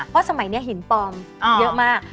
เพราะสมัยนี้หินปลอมเยอะมาก